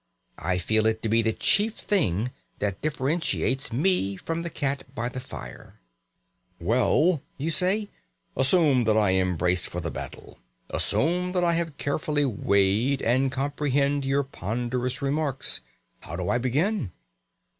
I feel it to be the chief thing that differentiates me from the cat by the fire. "Well," you say, "assume that I am braced for the battle. Assume that I have carefully weighed and comprehended your ponderous remarks; how do I begin?"